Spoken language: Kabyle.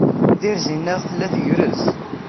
Tirzi-nneɣ tella tgerrez.